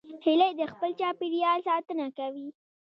هیلۍ د خپل چاپېریال ساتنه کوي